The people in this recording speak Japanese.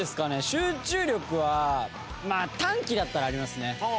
集中力はまあ短期だったらありますね。